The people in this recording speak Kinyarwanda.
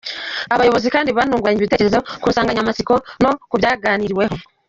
Aba bayobozi kandi banunguranye ibitekerezo ku nsanganyamatsiko no kubyaganiriweho.